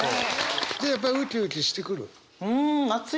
じゃあやっぱウキウキしてくる？